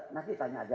nanti tanya aja